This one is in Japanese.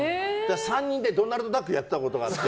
３人でドナルドダックやってたことあって。